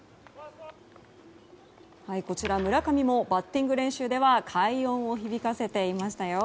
村上もバッティング練習では快音を響かせていました。